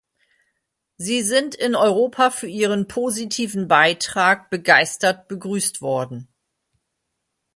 Sie sind in Europa für ihren positiven Beitrag begeistert begrüßt worden.